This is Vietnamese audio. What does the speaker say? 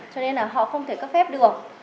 cho nên là họ không thể cấp phép được